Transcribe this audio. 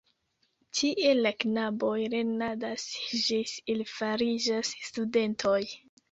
Tie la knaboj lernadas ĝis ili fariĝas studentoj.